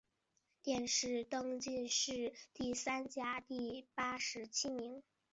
殿试登进士第三甲第八十七名。